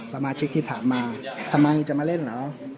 สมาชิกที่ถามมาทำไมจะมาเล่นเหรอ